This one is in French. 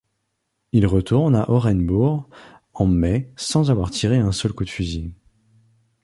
Il retourne à Orenbourg en mai sans avoir tiré un seul coup de fusil.